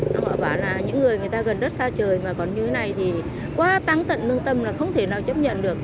nó gọi là những người người ta gần đất xa trời mà còn như thế này thì quá tăng tận nương tâm là không thể nào chấp nhận được